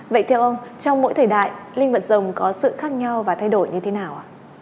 vậy theo ông trong mỗi thời đại linh vật rồng có sự khác nhau và thay đổi như thế nào ạ